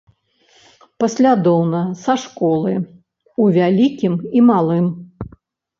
Паслядоўна, са школы, у вялікім і малым.